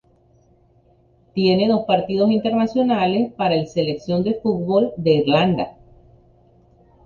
Tiene dos partidos internacionales para el Selección de fútbol de Irlanda.